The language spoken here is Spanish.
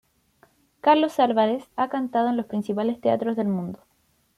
Carlos Álvarez ha cantado en los principales teatros del mundo.